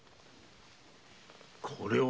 これは？